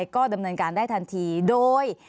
ก็ดำเนินการได้ทันทีโดย